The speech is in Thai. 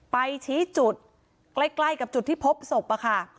ไปชี้จุดใกล้กับจุดที่พบศพค่ะ